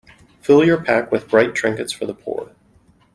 Fill your pack with bright trinkets for the poor.